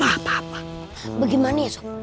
asap gak ada